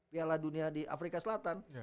piala dunia di afrika selatan